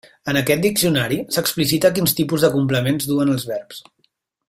En aquest diccionari s'explicita quins tipus de complements duen els verbs.